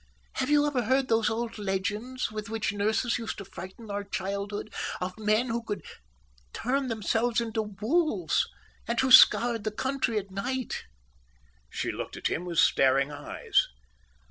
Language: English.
Have you ever heard those old legends with which nurses used to frighten our childhood, of men who could turn themselves into wolves, and who scoured the country at night?" She looked at him with staring eyes.